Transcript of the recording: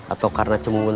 atau karena cemungun